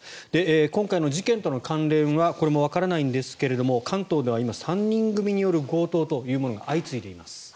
今回の事件との関連はこれもわからないんですけど関東では今、３人組による強盗が相次いでいます。